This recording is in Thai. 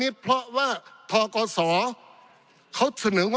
ปี๑เกณฑ์ทหารแสน๒